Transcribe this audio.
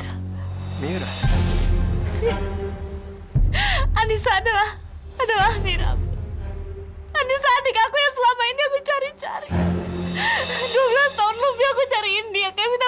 tolong biarin aku pergi kevin